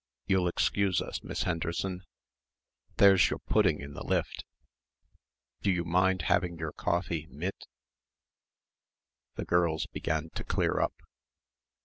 You'll excuse us, Miss Henderson? There's your pudding in the lift. Do you mind having your coffee mit?" The girls began to clear up.